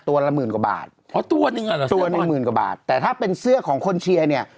ตัวละหมื่นกว่าบาทตัวละหมื่นกว่าบาทแต่ถ้าเป็นเสื้อของคนเชียร์เนี่ย